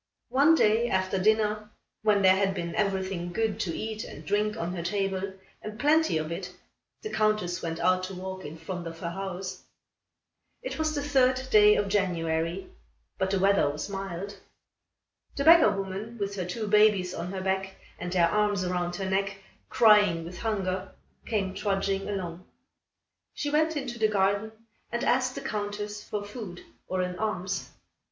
One day, after dinner, when there had been everything good to eat and drink on her table, and plenty of it, the Countess went out to walk in front of her house. It was the third day of January, but the weather was mild. The beggar woman, with her two babies on her back and their arms round her neck, crying with hunger, came trudging along. She went into the garden and asked the Countess for food or an alms.